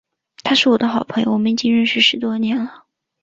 他是我的好朋友，我们已经认识十多年了。